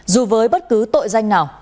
dù với bất cứ tội danh nào